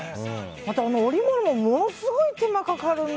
織物もものすごい手間がかかる。